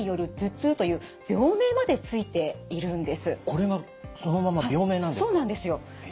これがそのまま病名なんですか。